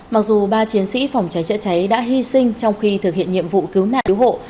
mặc dù ba chiến sĩ phòng cháy chữa cháy đã hy sinh trong khi thực hiện nhiệm vụ cứu nạn yếu hộ